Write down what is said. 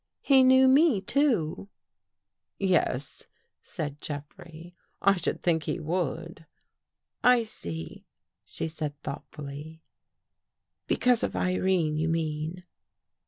He knew me, too." " Yes," said Jeffrey, " I should think he would." " I see," she said thoughtfully. " Because of Irene, you mean."